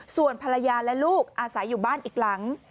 ส่วนภรรยาและลูกอาศัยอยู่บ้านอีกหลัง